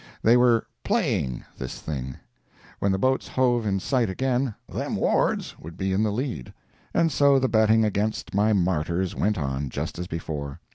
They were "playing" this thing. When the boats hove in sight again "them Ward's" would be in the lead. And so the betting against my martyrs went on, just as before.